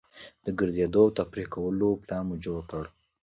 د ګرځېدو او تفریح کولو پلان مو جوړ کړ.